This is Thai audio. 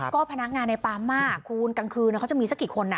ก็พนักงานในปั๊มคุณกลางคืนเขาจะมีสักกี่คน